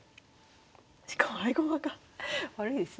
しかも合駒が悪いですね。